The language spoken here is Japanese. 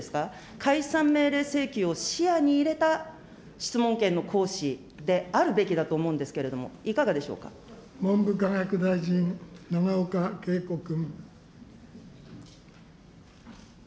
解散命令請求を視野に入れた質問権の行使であるべきだと思うんで文部科学大臣、永岡桂子君。